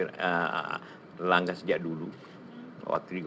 kira kira kalau bisa bingung dengan pak irwana bajau pem pak jika